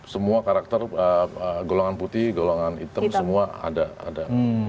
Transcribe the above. semua karakter golongan putih golongan hitam semua ada